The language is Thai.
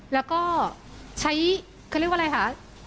แล้วก็ใช้เขาเรียกว่าอะไรคะ